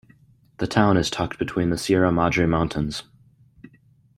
The town is tucked between the Sierra Madre Mountains.